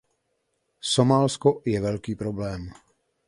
Somálsko je velký problém.